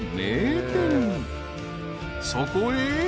［そこへ］